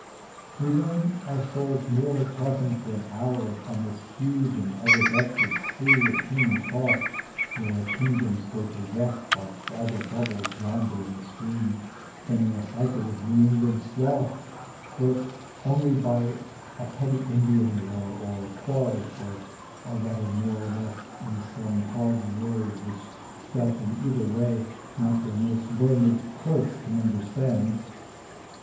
We learn our souls more, tossing for an hour Upon this huge and ever vexèd sea Of human thought, where kingdoms go to wreck Like fragile bubbles yonder in the stream, Than in a cycle of New England sloth, Broke only by some petty Indian war, Or quarrel for a letter more or less, In some hard word, which, spelt in either way Not their most learned clerks can understand.